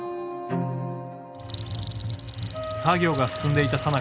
作業が進んでいた